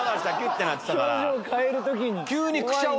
てなってたから。